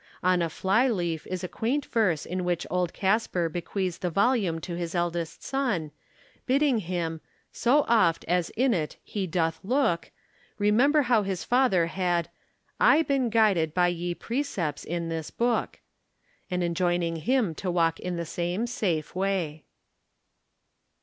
On a flyleaf, is a quaint verse in which old Casper bequeaths the volume to his eldest son, bidding him, "So oft as in it he doth looke" remember how his father had "aye been guided by ye precepts in this booke," and enjoining him to walk in the same safe way.